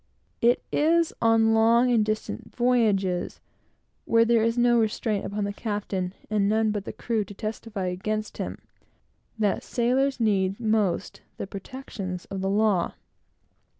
It is on long and distant voyages, where there is no restraint upon the captain, and none but the crew to testify against him, that sailors need most the protection of the law.